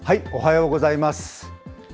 おはようございます。